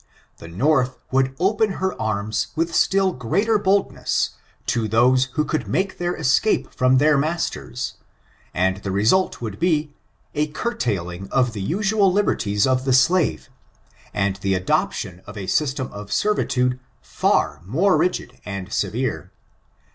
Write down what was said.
The North would open her arms with still greater boldness to those who could malie their escape from their masters, and the result would be, a curtailing of the usual liberties of the slave and the adoption of a system of servitude far more rigid and severe.